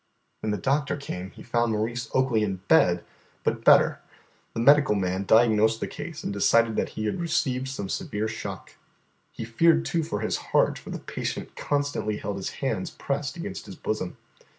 When the doctor came, he found Maurice Oakley in bed, but better. The medical man diagnosed the case and decided that he had received some severe shock. He feared too for his heart, for the patient constantly held his hands pressed against his bosom.